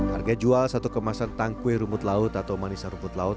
harga jual satu kemasan tangkwe rumput laut atau manisa rumput laut